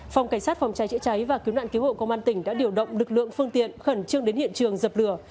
phòng cảnh sát phòng cháy chữa cháy và cứu nạn cứu hộ công an tỉnh đã điều động lực lượng phương tiện khẩn trương đến hiện trường dập lửa